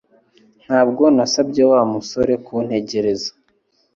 Ntabwo nasabye Wa musore kuntegereza